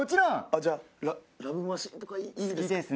じゃあ『ＬＯＶＥマシーン』とかいいですか？